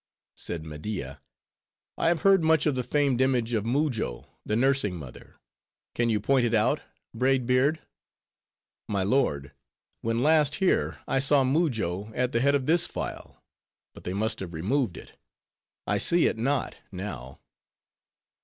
Said Media: "I have heard much of the famed image of Mujo, the Nursing Mother;—can you point it out, Braid Beard?" "My lord, when last here, I saw Mujo at the head of this file; but they must have removed it; I see it not now."